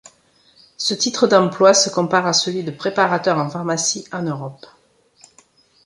Ce titre d'emploi se compare à celui de préparateur en pharmacie en Europe.